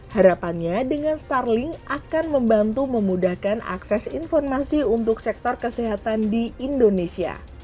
harapannya dengan starling akan membantu memudahkan akses informasi untuk sektor kesehatan di indonesia